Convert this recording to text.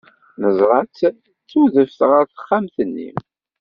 Neẓra-tt tudef ɣer texxamt-nni.